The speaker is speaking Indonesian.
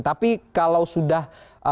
tapi kalau sudah